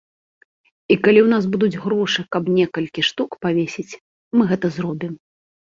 І калі ў нас будуць грошы, каб некалькі штук павесіць, мы гэта зробім.